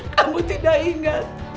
kamu tidak ingat